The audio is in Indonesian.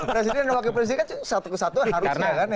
presiden dan wakil presiden kan satu kesatuan harusnya kan